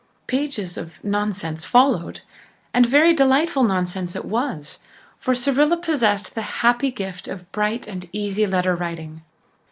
Pages of "nonsense" followed, and very delightful nonsense it was, for Cyrilla possessed the happy gift of bright and easy letter writing.